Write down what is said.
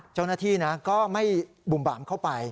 เจ้าหน้าที่ก็ไม่บุ่มบามเข้าไป